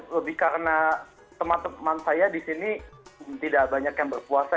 lebih karena teman teman saya di sini tidak banyak yang berpuasa